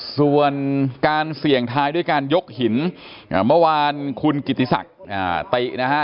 ส่วนการเสี่ยงท้ายด้วยการยกหินอ่ะเมื่อวานคุณกิติสัชนะหะ